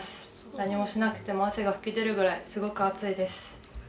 何もしなくても汗が吹き出るくらい、すごく暑いです。